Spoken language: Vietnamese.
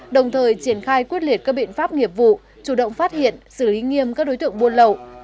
đồng thời triển khai quyết liệt các biện pháp nghiệp vụ chủ động phát hiện xử lý nghiêm các đối tượng buôn lậu